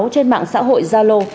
trên mạng xã hội zalo